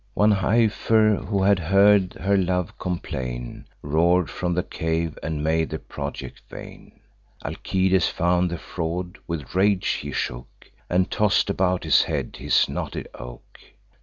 One heifer, who had heard her love complain, Roar'd from the cave, and made the project vain. Alcides found the fraud; with rage he shook, And toss'd about his head his knotted oak.